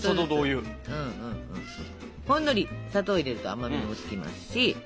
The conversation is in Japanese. ほんのり砂糖を入れると甘みもつきますし。